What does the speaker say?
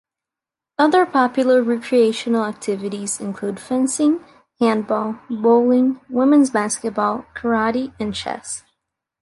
Other popular recreational activities include fencing, handball, bowling, women's basketball, karate and chess.